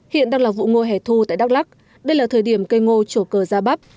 hiện đang là vụ ngô hẻ thu tại đắk lắc đây là thời điểm cây ngô trổ cờ ra bắp